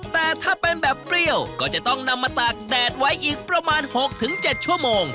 แต่ถ้าเป็นแบบเปรี้ยวก็จะต้องนำมาตากแดดไว้อีกประมาณ๖๗ชั่วโมง